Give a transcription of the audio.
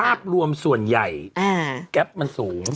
ภาพรวมส่วนใหญ่แก๊ปมันสูง